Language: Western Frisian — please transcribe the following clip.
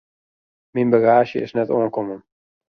Myn bagaazje is net oankommen.